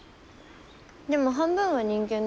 でも半分は人間でしょ？